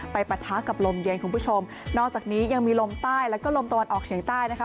ปะทะกับลมเย็นคุณผู้ชมนอกจากนี้ยังมีลมใต้แล้วก็ลมตะวันออกเฉียงใต้นะคะ